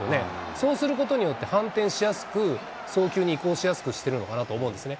そうすることによって、反転しやすく、送球に移行しやすくしていると思うんですね。